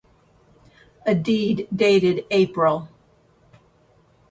A deed dated Apr.